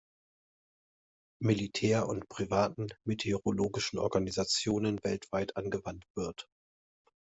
Militär und privaten meteorologischen Organisationen weltweit angewandt wird.